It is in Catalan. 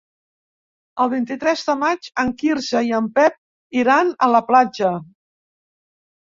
El vint-i-tres de maig en Quirze i en Pep iran a la platja.